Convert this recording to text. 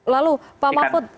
lalu pak mahfud